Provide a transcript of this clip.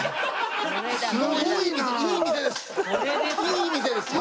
いい店ですね。